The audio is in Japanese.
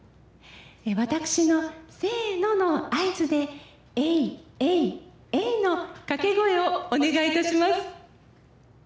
私の、せーのの合図でえい、えい、えいのかけ声をお願いいたします。